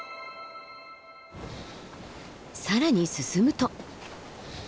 更に進むと。